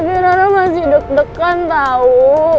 tapi ra ra masih deg deg kan tau